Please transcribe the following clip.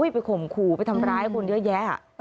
ไปข่มขู่ไปทำร้ายคนเยอะแยะ